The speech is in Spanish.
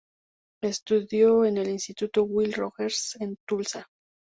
Estudió en el instituto Will Rogers, en Tulsa.